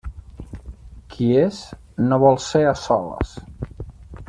Qui és, no vol ser a soles.